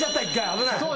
危ない。